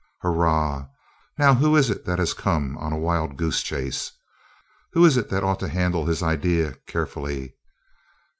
Hurrah! Now, who is it that has come on a wild goose chase? Who is it that ought to handle his idea carefully?